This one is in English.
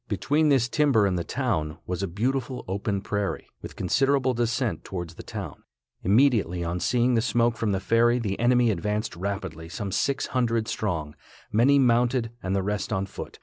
Between this timber and the town, was a beautiful open prairie, with considerable descent towards the town. Immediately on seeing the smoke from the ferry the enemy advanced rapidly, some six hundred strong, many mounted and the rest on foot.